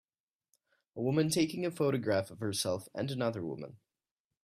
A woman taking a photograph of herself and another woman